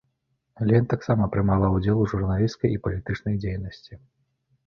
Элен таксама прымала ўдзел у журналісцкай і палітычнай дзейнасці.